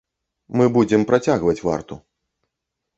Мы будзем працягваць варту.